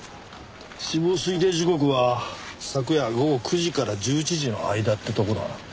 死亡推定時刻は昨夜午後９時から１１時の間ってとこだな。